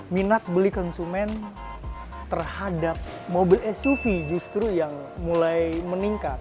minat beli konsumen terhadap mobil suv justru yang mulai meningkat